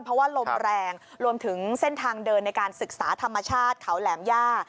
เพราะว่าลมแรงรวมถึงเส้นทางเดินในการศึกษาธรรมชาติเขาแหลมย่า